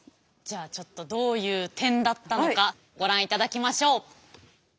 じゃあちょっとどういう点だったのかご覧いただきましょう。